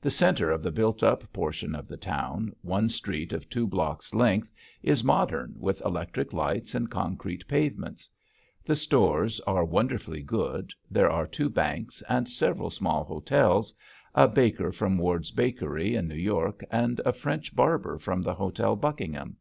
The center of the built up portion of the town, one street of two blocks' length, is modern with electric lights and concrete pavements. The stores are wonderfully good; there are two banks and several small hotels, a baker from Ward's bakery in New York and a French barber from the Hotel Buckingham.